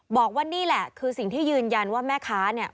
บอกว่านี่แหละคือสิ่งที่ยืนยันว่าแม่ค้าเนี่ย